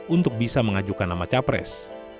untuk bisa mengajukan nama capres